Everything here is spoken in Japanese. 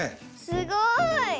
すごい。